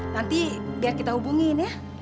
nanti biar kita hubungin ya